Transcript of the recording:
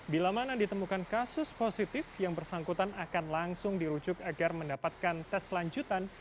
bila mana ditemukan kasus positif yang bersangkutan akan langsung dirujuk agar mendapatkan tes lanjutan